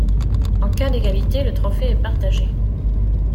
En cas d'égalité, le trophée est partagé.